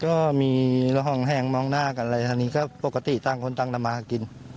ก็มีความห้างมองหน้ากันอะไรทีนี้ก็ปกติตคตังตงดำนะกิน